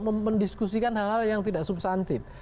mendiskusikan hal hal yang tidak substantif